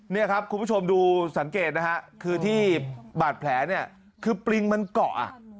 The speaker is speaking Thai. นี่ครับคุณผู้ชมดูสังเกตนะฮะคือที่บาดแผลเนี่ยคือปริงมันเกาะ